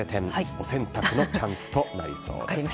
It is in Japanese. お洗濯のチャンスとなりそうです。